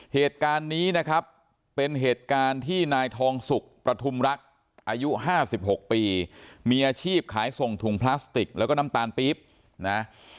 เหตุการณ์นี้นะครับเป็นเหตุการณ์ที่นายทองสุกประทุมรักอายุ๕๖ปีมีอาชีพขายส่งถุงพลาสติกแล้วก็น้ำตาลปี๊บนะ